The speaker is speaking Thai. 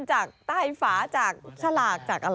จากใต้ฝาจากฉลาก